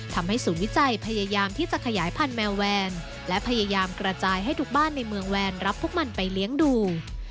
ทำให้ศูนย์วิจัยพยายามที่จะขยายพันธแมวแวนและพยายามกระจายให้ทุกบ้านในเมืองแวนรับพวกมันไปเลี้ยงดู